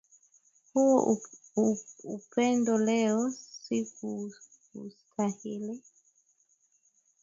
Huu upendo leo, sikuustahili